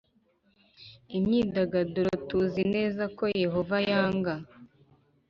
imyidagaduro tuzi neza ko Yehova yanga